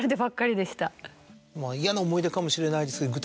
嫌な思い出かもしれないですけど